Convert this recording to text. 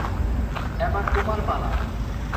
এবার তোমার পালা।